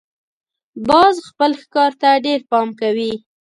باز خپل ښکار ته ډېر پام کوي